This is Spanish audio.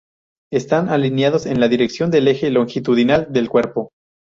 Están alineados en la dirección del eje longitudinal del cuerpo.